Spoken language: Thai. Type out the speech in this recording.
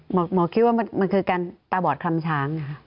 หมอคิดว่ามันคือการตาบอดคำช้าง